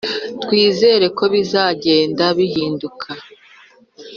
Twizere ko bizagenda bihinduka